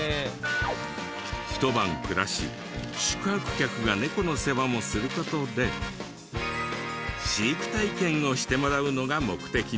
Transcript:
ひと晩暮らし宿泊客がネコの世話もする事で飼育体験をしてもらうのが目的なんだとか。